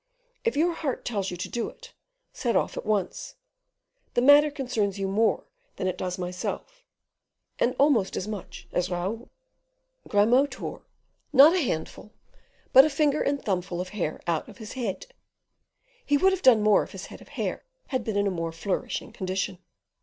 If your heart tells you to do it, set off at once; the matter concerns you more than it does myself, and almost as much as Raoul." Grimaud tore, not a handful, but a finger and thumbful of hair out of his head; he would have done more if his head of hair had been in a more flourishing condition.